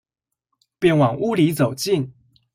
便往屋裡走進